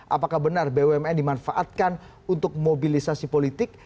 apakah benar bumn dimanfaatkan untuk mobilisasi politik